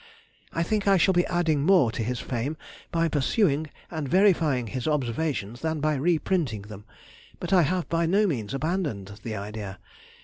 I think I shall be adding more to his fame by pursuing and verifying his observations than by reprinting them. But I have by no means abandoned the idea.